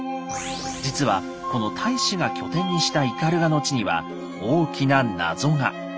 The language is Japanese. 実はこの太子が拠点にした斑鳩の地には大きな謎が。